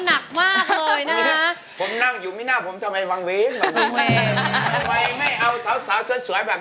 เหมือนกับเรามากเลยอะเหมือนแม่คุณแอมสับวรรค